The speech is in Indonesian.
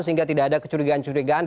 sehingga tidak ada kecurigaan kecurigaan